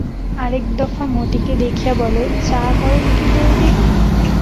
আর এক দফা মতিকে দেখিয়া বলে, চা করো দিকি বৌদি।